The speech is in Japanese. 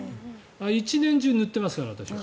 １年中塗ってますから、私は。